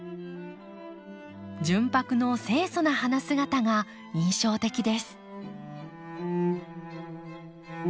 純白の清楚な花姿が印象的です。